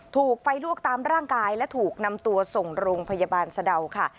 ถูกไฟลวกตามร่างกายและถูกนำตัวส่งโรงพยาบาลสะดาวค่ะ